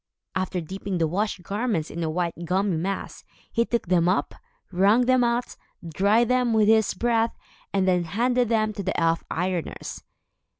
After dipping the washed garments in the white gummy mass, he took them up, wrung them out, dried them with his breath, and then handed them to the elf ironers.